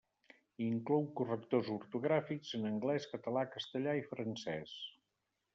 Inclou correctors ortogràfics en anglès, català, castellà i francès.